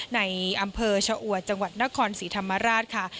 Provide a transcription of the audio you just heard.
ในอำเภอชะอวดจังหวัดนครศรีธรรมราชค่ะ